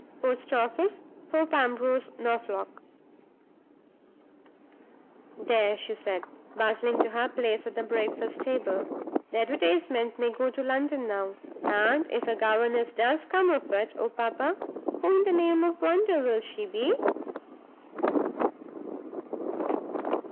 Post office, Thorpe Ambrose, Norfolk_." "There!" she said, bustling to her place at the breakfast table. "The advertisement may go to London now; and, if a governess does come of it, oh, papa, who in the name of wonder will she be?